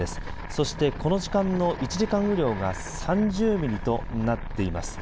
そしてこの時間の１時間雨量が３０ミリとなっています。